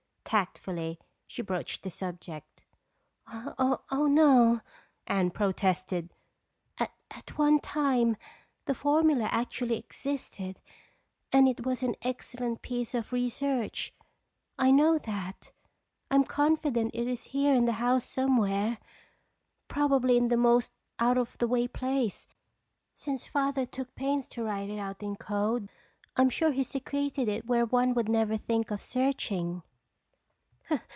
Tactfully, she broached the subject. "Oh, no," Anne protested. "At one time the formula actually existed and it was an excellent piece of research—I know that. I'm confident it is here in the house somewhere. Probably in the most out of the way place. Since Father took pains to write it out in code, I'm sure he secreted it where one would never think of searching."